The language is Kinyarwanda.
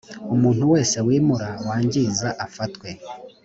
umuntu wese wimura wangiza afatwe.